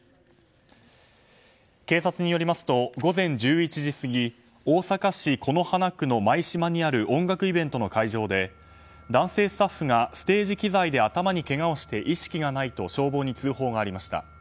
警察によりますと午前１１時過ぎ大阪市此花区の舞洲にある音楽イベントの会場で男性スタッフがステージ機材で頭にけがをして意識がないと消防に通報がありました。